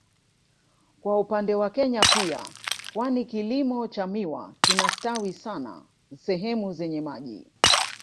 Kwa upande wa Kenya pia kwani kilimo cha miwa kinastawi sana sehemu zenye maji